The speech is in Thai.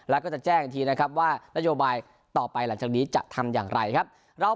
แล้วก็จะแจ้งอีกทีนะครับว่านโยบายต่อไปหลังจากนี้จะทำอย่างไรครับ